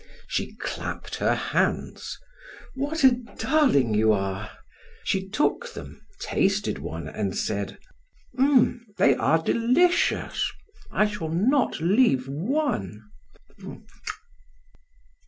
She clapped her hands. "What a darling you are!" She took them, tasted one, and said: "They are delicious. I shall not leave one.